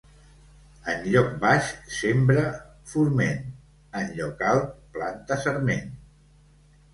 En lloc baix sembra forment, en lloc alt, planta sarment.